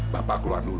bapak keluar dulu